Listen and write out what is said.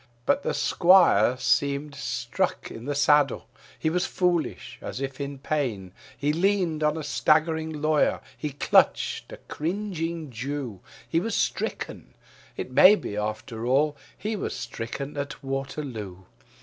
But the squire seemed struck in the saddle; he was foolish, as if in pain. He leaned on a staggering lawyer, he clutched a cringing Jew, He was stricken; it may be, after all, he was stricken at Waterloo.